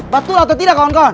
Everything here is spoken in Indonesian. betul atau tidak kawan kawan